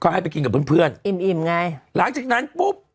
ให้ไปกินกับเพื่อนเพื่อนอิ่มอิ่มไงหลังจากนั้นปุ๊บ